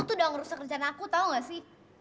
kamu tuh udah ngerusak kerjaan aku tau gak sih